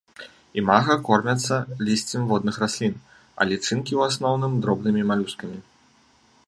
Імага кормяцца лісцем водных раслін, а лічынкі ў асноўным дробнымі малюскамі.